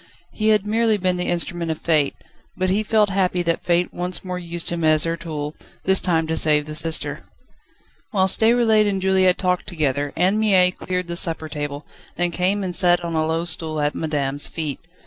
He had merely been the instrument of Fate, but he felt happy that Fate once more used him as her tool, this time to save the sister. Whilst Déroulède and Juliette talked together Anne Mie cleared the supper table, then came and sat on a low stool at madame's feet.